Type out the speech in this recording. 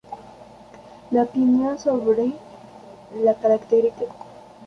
Las opiniones sobre el carácter del proceso independentista no son unánimes.